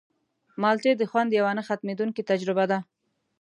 مالټې د خوند یوه نه ختمېدونکې تجربه ده.